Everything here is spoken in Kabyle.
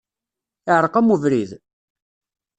Iεreq-am ubrid?